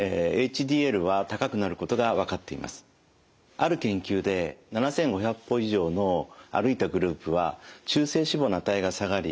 ある研究で７，５００歩以上の歩いたグループは中性脂肪の値が下がり